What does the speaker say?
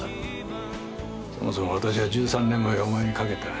そもそも私は１３年前お前にかけた。